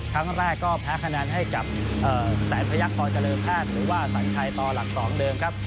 ครั้งแรกก็แพ้คะแนนให้กับแสนพยักษรเจริญแพทย์หรือว่าสัญชัยต่อหลัก๒เดิมครับ